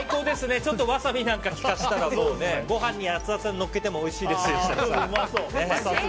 ちょっとワサビなんか利かせたらご飯にアツアツでのっけてもおいしいですね。